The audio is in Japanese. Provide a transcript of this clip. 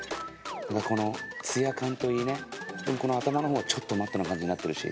このツヤ感といいね頭のほうはちょっとマットな感じになってるし。